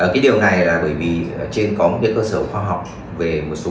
cái điều này là bởi vì trên có một cái cơ sở khoa học về một số